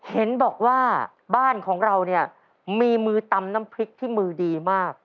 เห็นบอกว่าบ้านของเราเนี่ยมีมือตำน้ำพริกที่มือดีมาก